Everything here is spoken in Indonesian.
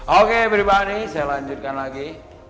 oke pribadi saya lanjutkan lagi